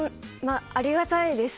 ありがたいです。